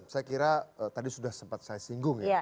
saya kira tadi sudah sempat saya singgung ya